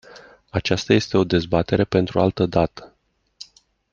Aceasta este o dezbatere pentru altă dată.